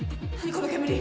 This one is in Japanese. この煙。